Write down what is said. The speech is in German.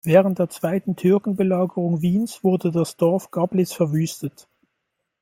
Während der zweiten Türkenbelagerung Wiens wurde das Dorf Gablitz verwüstet.